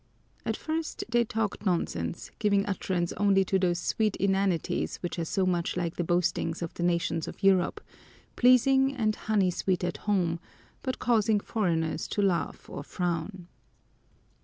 At first they talked nonsense, giving utterance only to those sweet inanities which are so much like the boastings of the nations of Europe pleasing and honey sweet at home, but causing foreigners to laugh or frown.